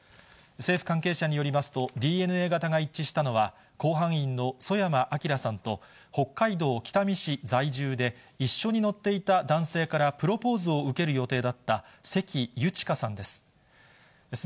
政府関係者によりますと、ＤＮＡ型が一致したのは、甲板員の曽山聖さんと、北海道北見市在住で、一緒に乗っていた男性からプロポーズを受ける予定だった関ゆちかさんです。